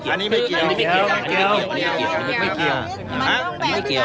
อันนี้ไม่เกี่ยว